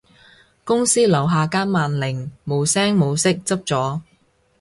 公司樓下間萬寧無聲無息執咗